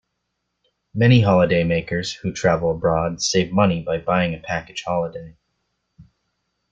Many holidaymakers who travel abroad save money by buying a package holiday